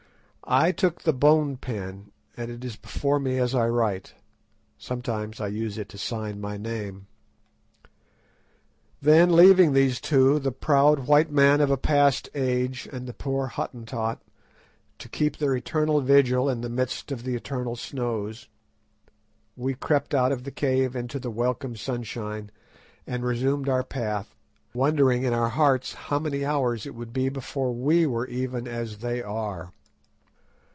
I took the bone pen, and it is before me as I write—sometimes I use it to sign my name. Then leaving these two, the proud white man of a past age, and the poor Hottentot, to keep their eternal vigil in the midst of the eternal snows, we crept out of the cave into the welcome sunshine and resumed our path, wondering in our hearts how many hours it would be before we were even as they are.